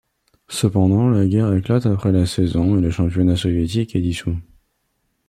Cependant la guerre éclate après la saison et le championnat soviétique est dissout.